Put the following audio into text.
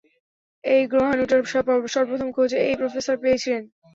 এই গ্রহাণুটার সর্বপ্রথম খোঁজ এই প্রফেসর পেয়েছিলেন?